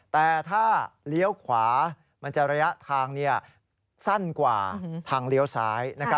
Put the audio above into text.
แต่ถ้าเลี้ยวขวามันจะระยะทางสั้นกว่าทางเลี้ยวซ้าย